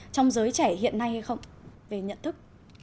trong giới trẻ hiện nay hay không về nhận thức